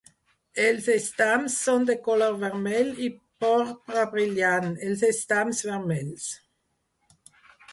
Els estams són de color vermell i porpra brillant, els estams vermells.